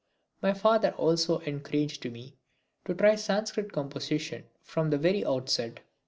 My father also encouraged me to try Sanskrit composition from the very outset.